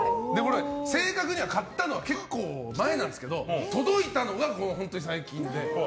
正確には買ったのは結構前なんですけど届いたのが、本当に最近で。